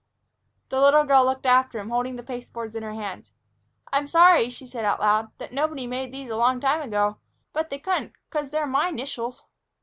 The little girl looked after him, holding the pasteboards in her hands. "I'm sorry," she said out loud, "that nobody made these a long time ago. But they couldn't, 'cause they're my 'nitials."